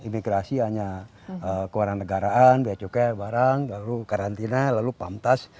imigrasi hanya kewaran negaraan biaya cukai barang lalu karantina lalu pamtas